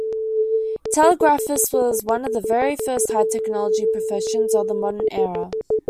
Telegraphist was one of the very first "high-technology" professions of the modern era.